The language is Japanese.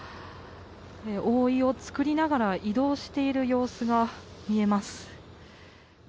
覆いを作りながら移動している様子が見えます。